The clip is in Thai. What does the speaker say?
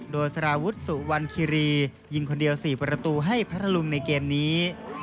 โดยสารวุฒิสุวรรณคิรียิงคนเดียว๔ประตูให้พัทธลุงในเกมนี้